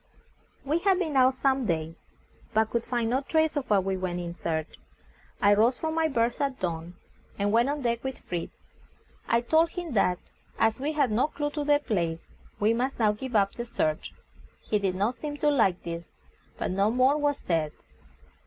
We had been out some days, but could find no trace of what we went in search. I rose from my berth at dawn, and went on deck with Fritz. I told him that as we had no clue to the place, we must now give up the search. He did not seem to like this, but no more was said.